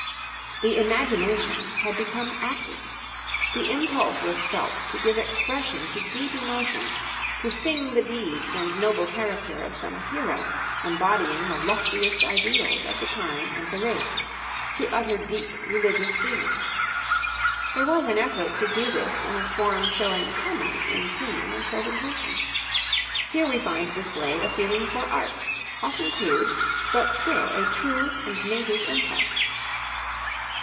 The imagination had become active. The impulse was felt to give expression to deep emotions, to sing the deeds and noble character of some hero embodying the loftiest ideals of the time and the race, to utter deep religious feeling. There was an effort to do this in a form showing harmony in theme and presentation. Here we find displayed a feeling for art, often crude, but still a true and native impulse.